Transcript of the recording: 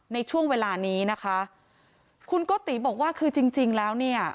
ในช่วงเวลานี้นะคะคุณโกติบอกว่าคือจริงจริงแล้วเนี่ย